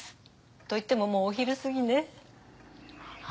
といってももうお昼すぎね。